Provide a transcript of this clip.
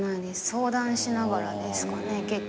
相談しながらですかね。